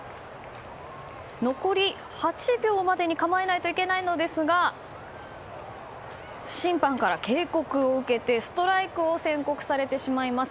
残り８秒までに構えないといけないのですが審判から警告を受けてストライクを宣告されてしまいます。